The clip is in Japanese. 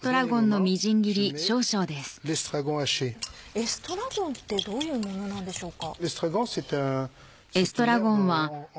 エストラゴンってどういうものなんでしょうか？